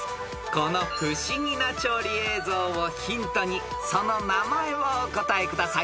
［この不思議な調理映像をヒントにその名前をお答えください］